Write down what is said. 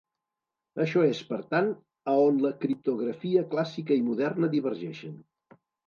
Això és, per tant, a on la criptografia clàssica i moderna divergeixen.